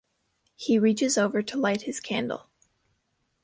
He reaches over to light his candle.